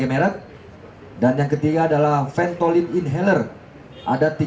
dari hasil pemeriksaan laboratorium obat dan suplemen palsu ini dapat membahayakan ginjal hati bahkan bisa menyebabkan kematian